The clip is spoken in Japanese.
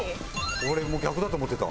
俺も逆だと思ってた。